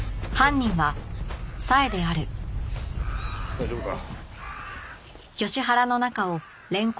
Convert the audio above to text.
大丈夫か？